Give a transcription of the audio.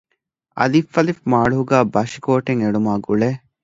އއ. މާޅޮހުގައި ބަށިކޯޓެއް އެޅުމާގުޅޭ